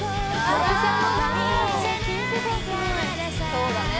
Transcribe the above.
そうだね。